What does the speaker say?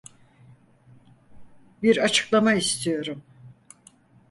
Bir açıklama istiyorum.